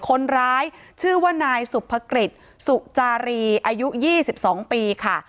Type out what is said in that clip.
คนร้ายชื่อว่านายสุภกฤษสุจารีอายุ๒๒ปีค่ะ